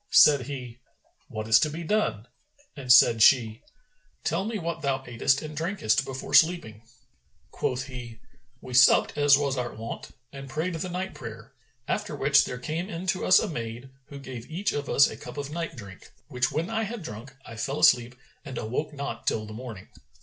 Said he, "What is to be done?"; and said she, "Tell me what thou atest and drankest before sleeping." Quoth he, "We supped as was our wont and prayed the night prayer, after which there came in to us a maid, who gave each of us a cup of night drink, which when I had drunk, I fell asleep and awoke not till the morning."